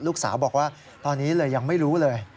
ลูกสาวบอกว่าตอนนี้เลยยังไม่รู้เลย